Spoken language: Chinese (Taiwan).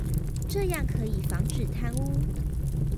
這樣可以防止貪污